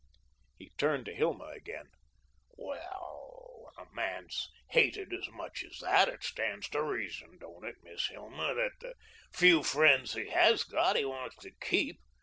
He turned to Hilma again. "Well, when a man's hated as much as that, it stands to reason, don't it, Miss Hilma, that the few friends he has got he wants to keep?